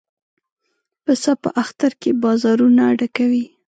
پسه په اختر کې بازارونه ډکوي.